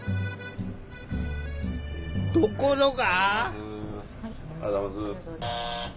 ところが。